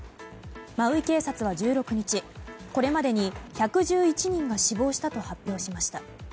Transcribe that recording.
マウイ警察は、１６日これまでに１１１人が死亡したと発表しました。